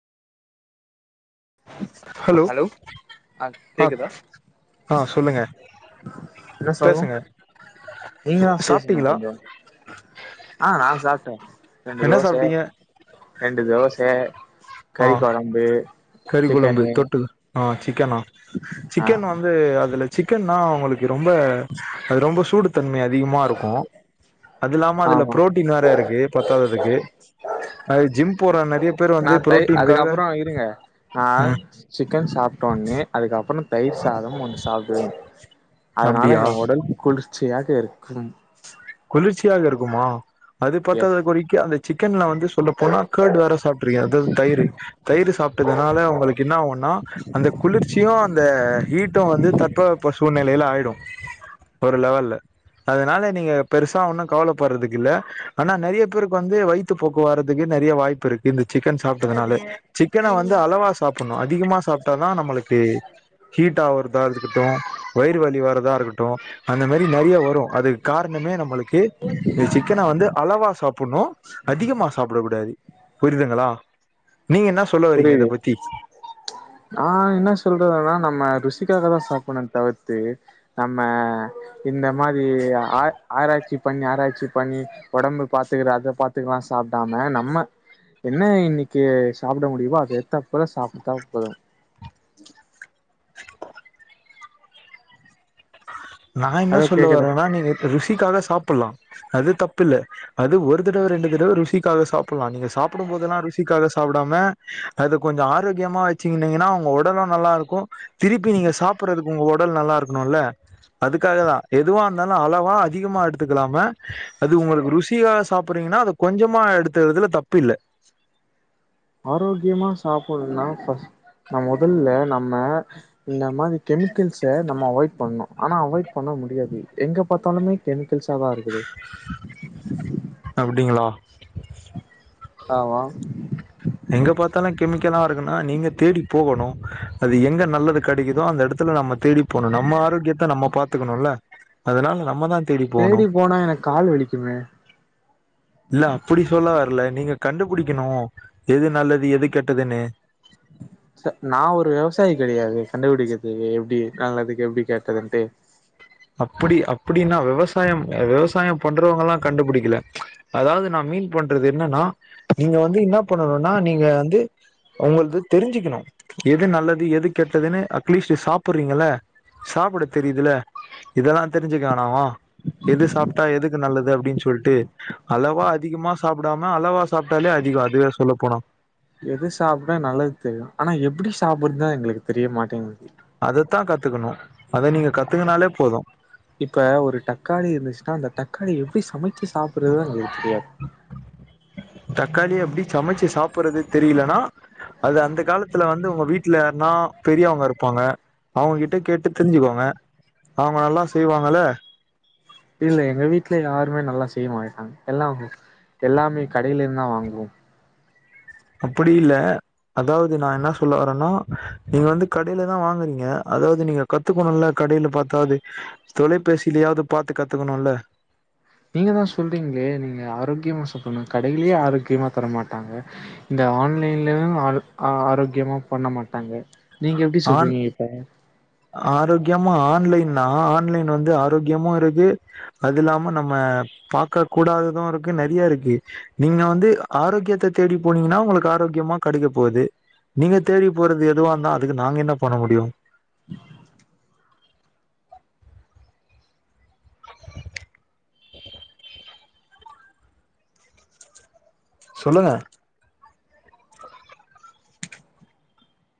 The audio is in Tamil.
ஹலோ ஆ அ கேக்குதா ஆ சொல்லுங்க என்ன சொல்ணு பேசுங்க நீங்க தா பேசணு சாப்டீங்களா கொஞ்சோ ஆ நா சாப்டே என்ன சாப்டீங்க ரெண்டு தோச ஆ கறி கொழம்பு கறி கொழம்பு சிக்கனு தொட்டுக்க ஆ சிக்கனா ஆ சிக்கன் வந்து அதுல சிக்கன்னா உங்களுக் ரொம்ப அது ரொம்ப சூடு தன்மை அதிகமா இருக்கு அது இல்லாம அதுல ஆமா புரோட்டீன் வேற இருக்கு பத்தாததுக்கு அது ஜிம் போற நெறய பேர் வந்து புரோட்டீன்காக ஆ ம் சிக்கன் சாப்ட்ட ஒட்னே அதுக்கப்பற தயிர் சாதம் வந்து சாப்பிடுவே அதனால அப்டியா எ உடல் குளிர்ச்சியாக இருக்கும் குளிர்ச்சியாக இருக்குமா அது பத்தாத எஸ் குறி கே அந்த சிக்கன்ல வந்து சொல்ல போனா கர்டு வேற சாப்ட்ருக்கே அதாவது தயிரு தயிர் சாப்பிட்டதுனால உங்களுக்கு என்ன ஆகுனா அந்த குளிர்ச்சியு அந்த ஹீட்டு வந்து தட்ப வெட்ப சூழ்நிலையில ஆயிடு ஒரு லெவல்ல அதனால நீங்க பெருசா ஒன்னு கவலைப்படுறதுக்கு இல்ல ஆனா நெறய பேருக்கு வந்து வய்த்து போக்கு வரதுக்கு நெறய வாய்ப்பு இருக் இந்த சிக்கன் சாப்பிட்டதுனால சிக்கன வந்து அளவா சாப்பிடணு அதிகமா சாப்ட்டாதா நம்மளுக்கு ஹீட் ஆவ்ரதா இருக்கட்டு வயிறு வலி வரதா இருக்கட்டு அந்த மாரி நெறய வரு அதுக்கு கார ணமே நம்மளுக்கு இந்த சிக்கன வந்து அளவா சாப் புனு அதிகமா சாப்பிடக் கூடாது புரியுதுங்களா நீங்க என்ன ஸ் சொல்ல வரீங்க இத புரியுது பத்தி நா என்ன சொல்றதுனா நம்ம ருசிக்காக தா சாப்பிடணு தவிர்த்து நம்ம இந்த மாரி ஆ ஆராய்ச்சி பண்ணி ஆராய்ச்சி பண்ணி ஒடம்ப பாத்துக்கற அத பாத்துக்கலா சாப்டாம நம்ம என்ன இன்னைக்கு சாப்பிட முடியுமோ அதை ஏத்தா போல சாப்பிட்டா போது நா என்ன ஹலோ சொல்ல கேக்குதா வரேனா நீங்க ருசிக்காக சாப்பிடலா அது தப்பில்ல அது ஒரு தடவ ரெண்டு தடவ ருசிக்காக சாப் புல்ல நீங்த சாப்டும் போதெல்லா ருசிக்காக சாப்டாம அது கொஞ்ச ஆரோக்கியமா வச்சுங்கினீங்கன்னா ஒங்க உடலும் நல்லா இருக்கு திருப்பி நீங்க சாப்பறதுக்கு உங்க ஒடல் நல்லாருக்கணுல்ல அதுக்காக தா எதுவாயிருந்தாலு அளவா அதிகமா எடுத்துக்கலாம அது உங்களுக்கு ருசியா சாப்பறீங்கன்னா அத கொஞ்சமா எடுத்துகறதுல தப்பு இல்ல ஆரோக்கியமா சாப்படணுனா ஃபஸ்ட் நா மொதல்ல நம்ம இந்த மாரி கெமிக்கல்ஸ நம்ம அவாய்ட் பண்ணு ஆனா அவாய்ட் பண்ண முடியாது எங்க பாத்தாலுமே கெமிக்கல்ஸாதா இருக்குது அப்டிங்களா ஆமா எங்க பாத்தாலு கெமிக்கலா இருக்குனா நீங்க தேடி போகணு அது எங்க நல்லதுக் கெடைக்குதோ அந்த இடத்துல நம்ம தேடி போனு நம்ம ஆரோக்கியத்த நம்ம பாத்துக்கணுல அதனால நம்ம தா தேடி போனா எனக்கு கால் வலிக்குமே இல்ல அப்டி சொல்ல வரல நீங்க கண்டுபிடிக்கணு எது நல்லது எது கெட்டதுன்னு நா ஒரு வெவசாயி கெடியாது கண்டுபிடிக்கறதுக்கு எப்டி நல்லதுக்கெப்டி கெட்டதுன்டு அப்டி அப்டின்னா விவசாயோ விவசாயோ பண்றவங்கல்லா கண்டுபுடிக்கல அதாவது நா மீன் பண்றது என்னன்னா நீங்க வந்து என்னா பண்ணணுனா நீங்க வந்து உங்கள்து தெரிஞ்சுக்கணு எது நல்லது எது கெட்டதுன்னு அட்லீஸ்ட் சாப்பட்றீங்கள்ள சாப்ட தெரியுதுல இதெல்லா தெரிஞ்சுக்கவேணாவா எது சாப்ட்டா எதுக்கு நல்லது அப்டின் சொல்ட்டு அளவா அதிகமா சாப்டாம அளவா சாப்ட்டாலே அதிகோ அதுவே சொல்ல போன எது சாப்ட்ட நல்லது தெரியு ஆனா எப்டி சாப்பட்றத்தா எங்களுக்கு தெரிய மாட்டேங்குது அதத்தா கத்துக்கணு அத நீங்க கத்துக்கனாலே போது இப்ப ஒரு தக்காளி இருந்துச்சுன்னா அந்த தக்காளி எப்டி சமச்சு சாப்பறதுத எங்களுக்கு தெரியாது தக்காளிய எப்டி சமச்சு சாப்பட்றது தெரியலன்னா அது அந்த அந்த காலத்துல வந்து உங்க வீட்ல யாருனா பெரியவங்க இருப்பாங்க அவங்க கிட்ட கேட்டு தெரிஞ்சுக்கோங்க அவங்க நல்லா செய்வாங்கள இல்ல எங்க வீட்ல யாருமே நல்லா செய்ய மாட்டாங்க எல்லா எல்லாமே கடையில இருந்தா வாங்குவோ அப்புடில்ல அதாவது நா என்ன சொல்ல வரன்னா நீங்க வந்து கடையில தா வாங்கறீங்க அதாவது நீங்க கத்துக்கணுல கடையில பாத்தாது தொலைபேசியிலயாவது பாத்து கத்துக்கணுல நீங்க தா சொல்றிங்களே நீங்க ஆரோக்கியமா சாப்டனு கடையிலே ஆரோக்கியமா தரமாட்டாங்க இந்த ஆன்லைன்லயு ஆரோ ஆரோக்கியமா பண்ண மாட்டாங்க நீங்க எப்டி சொல்றிங்க இப்ப ஆரோக்யமா ஆன்லைன்னா ஆன்லைன் வந்து ஆரோக்கியமு இருக்கு அது இல்லாம நம்ம பாக்க கூடாதது இருக்கு நெறைய இருக்கு நீங்க வந்து ஆரோக்கியத்த தேடி போனீங்கன்னா உங்களுக்கு ஆரோக்கியமா கடைக்கப்போது நீங்க தேடி போறது எதுவாந்தா அதுக்கு நாங்க என்ன பண்ண முடியு [inaudible] சொல்லுங்க